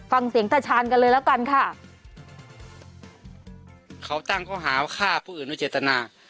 ตาชาญกันเลยแล้วกันค่ะเขาตั้งเขาหาว่าฆ่าผู้อื่นโดยเจตนา